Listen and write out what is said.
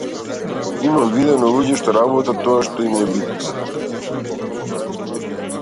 Имам видено луѓе што работат тоа што им е битно.